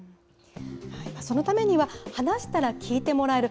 そのためには、話したら聞いてもらえる。